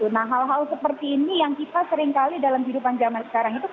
nah hal hal seperti ini yang kita seringkali dalam kehidupan zaman sekarang itu